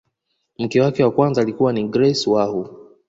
mke wake wa kwanza alikuwa ni grace wahu